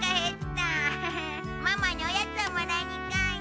ママにおやつをもらいに行こうよ。